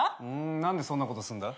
何でそんなことすんだ？